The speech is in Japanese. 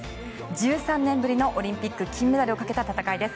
１３年ぶりのオリンピック金メダルをかけた戦いです。